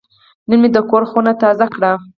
نن مې د کور خونه تازه کړه.